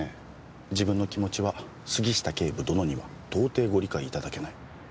自分の気持ちは杉下警部殿には到底ご理解いただけない。